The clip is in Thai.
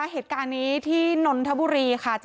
เหตุการณ์ที่นทับุรีค่ะ